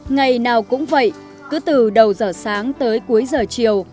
ngày nào cũng vậy cứ từ đầu giờ sáng tới cuối giờ chiều